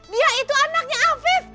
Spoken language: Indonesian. dia itu anaknya afif